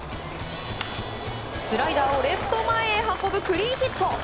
スライダーをレフト前へ運ぶクリーンヒット。